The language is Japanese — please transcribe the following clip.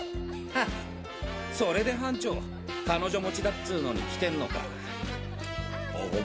ハッそれで班長彼女持ちだっつのに来てんのか。